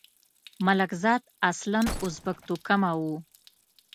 ملکزاد اصلاً ازبک توکمه وو.